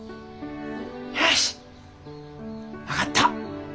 よし分かった。